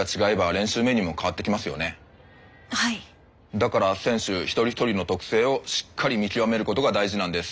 だから選手一人一人の特性をしっかり見極めることが大事なんです。